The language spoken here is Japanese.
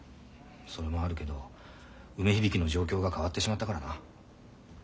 それもあるけど梅響の状況が変わってしまったからな。